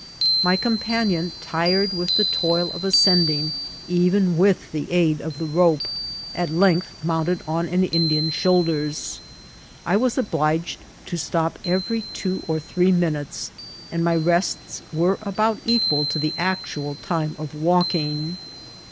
My companion, tired with the toil of ascending, even with the aid of the rope, at length mounted an Indian's shoulders. I was obliged to stop every two or three minutes, and my rests were about equal to the actual time of walking.